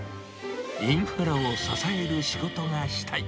インフラを支える仕事がしたい。